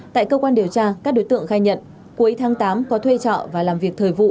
tại cơ quan điều tra các đối tượng khai nhận cuối tháng tám có thuê trọ và làm việc thời vụ